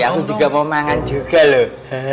aku juga mau mangan juga loh